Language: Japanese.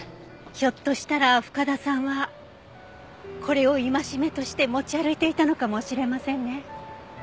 ひょっとしたら深田さんはこれを戒めとして持ち歩いていたのかもしれませんね。